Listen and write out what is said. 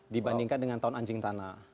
dibandingkan dengan tahun anjing tanah